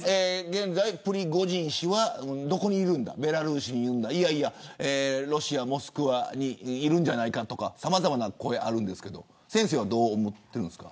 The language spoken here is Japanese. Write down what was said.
現在プリゴジン氏はどこにいるのかベラルーシにいるんじゃないかロシア、モスクワにいるんじゃないかとかさまざまな声がありますが先生は、どう思いますか。